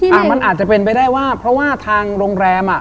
อ่ะมันอาจจะเป็นไปได้ว่าเพราะว่าทางโรงแรมอ่ะ